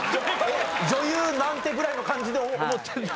「女優なんて」ぐらいの感じで思ってた？